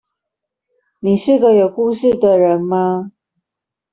你是個有故事的人嗎